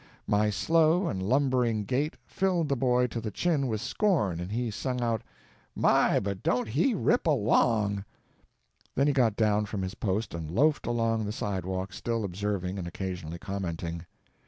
My slow and lumbering gait filled the boy to the chin with scorn, and he sung out, "My, but don't he rip along!" Then he got down from his post and loafed along the sidewalk, still observing and occasionally commenting.